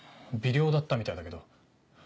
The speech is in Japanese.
微量だったみたいだけど。